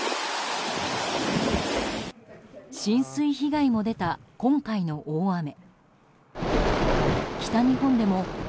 浸水被害も出た今回の大雨。